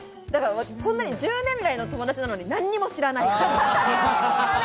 こんなに１０年来の友達なのに、何も知らない。